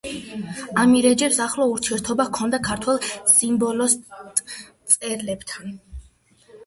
ამირეჯიბს ახლო ურთიერთობა ჰქონდა ქართველ სიმბოლისტ მწერლებთან.